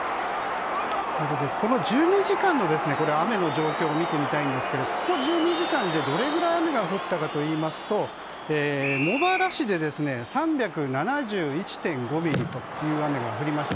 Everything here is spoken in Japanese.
この１２時間の雨の状況を見てみたいんですがここ１２時間で、どれくらい雨が降ったかといいますと茂原市で３７１．５ミリという雨が降りました。